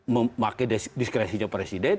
memakai diskresinya presiden